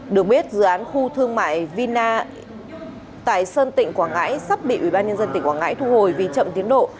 được biết dự án khu thương mại vina tại sơn tịnh quảng ngãi sắp bị ubnd tỉnh quảng ngãi thu hồi vì chậm tiến độ